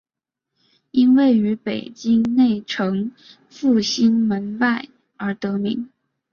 因位于北京内城复兴门外而得名。